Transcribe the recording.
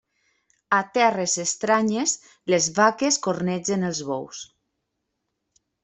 A terres estranyes, les vaques cornegen els bous.